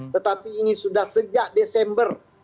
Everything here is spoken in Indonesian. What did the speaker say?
tetapi ini sudah sejak desember